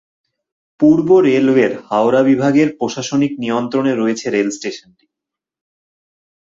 পূর্ব রেলওয়ের হাওড়া বিভাগের প্রশাসনিক নিয়ন্ত্রণে রয়েছে রেল স্টেশনটি।